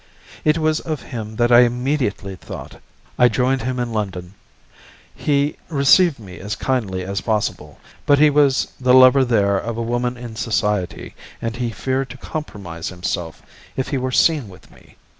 It was of him that I immediately thought. I joined him in London. He received me as kindly as possible, but he was the lover there of a woman in society, and he feared to compromise himself if he were seen with me.